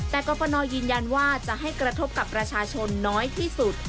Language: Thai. แต่กรฟนยืนยันว่าจะให้กระทบกับประชาชนน้อยที่สุด